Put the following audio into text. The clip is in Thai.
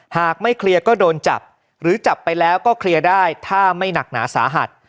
หากไม่เคลียร์ก็โดนจับหรือจับไปแล้วก็เคลียร์ได้ถ้าไม่หนักหนาสาหัส